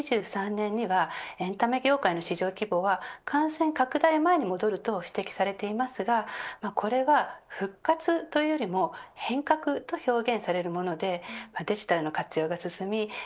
来年、２０２３年にはエンタメ業界の市場規模は感染拡大前に戻ると指摘されていますがこれは復活というよりも変革と表現されるものでデジタルの活用が進み